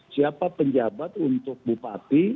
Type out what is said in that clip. siapa penjabat untuk bupati